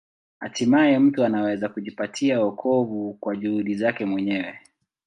Hatimaye mtu anaweza kujipatia wokovu kwa juhudi zake mwenyewe.